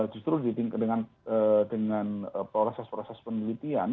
justru dengan proses proses penelitian